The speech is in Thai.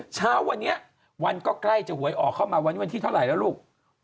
เช้าวันนี้วันก็ใกล้จะหวยออกเข้ามาวันนี้วันที่เท่าไหร่แล้วลูก